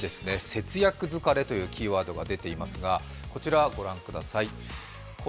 節約疲れというキーワードが出ていますが、こちらを御覧ください。